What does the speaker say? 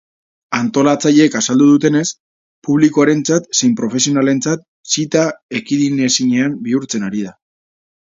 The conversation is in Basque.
Antolatzaileek azaldu dutenez, publikoarentzat zein profesionalentzat zita ekidinezinean bihurtzen ari da.